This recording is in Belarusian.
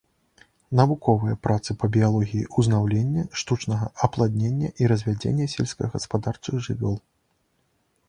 Навуковыя працы па біялогіі ўзнаўлення, штучнага апладнення і развядзення сельскагаспадарчых жывёл.